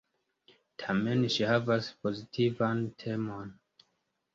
Tamen ŝi havas pozitivan temon.